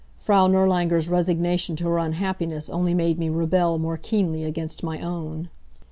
Frau Nirlanger's resignation to her unhappiness only made me rebel more keenly against my own.